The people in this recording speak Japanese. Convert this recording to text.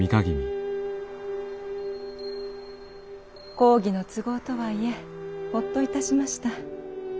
公儀の都合とはいえホッといたしました。